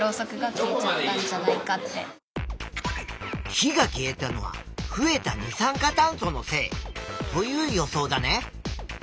火が消えたのは増えた二酸化炭素のせいという予想だね。